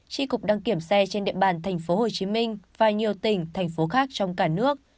tri cục đăng kiểm xe trên địa bàn tp hcm và nhiều tỉnh thành phố khác trong cả nước